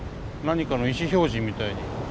何かの意思表示みたいに。